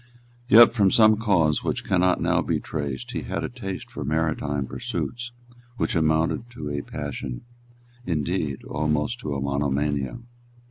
Yet, from some cause which cannot now be traced, he had a taste for maritime pursuits which amounted to a passion, indeed almost to a monomania.